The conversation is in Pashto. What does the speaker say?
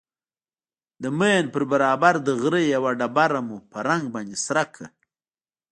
د ماين پر برابر د غره يوه ډبره مو په رنگ باندې سره کړه.